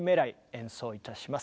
演奏いたします。